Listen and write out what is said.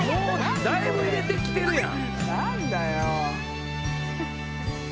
だいぶ入れて来てるやん。